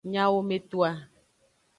Nyawometoa.